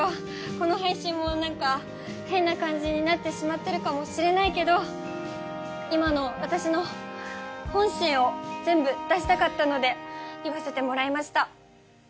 この配信もなんか変な感じになってしまってるかもしれないけど今の私の本心を全部出したかったので言わせてもらいました。